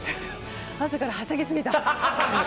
朝からはしゃぎすぎた。